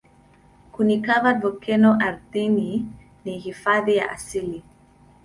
Kuni-covered volkeno ardhini ni hifadhi ya asili.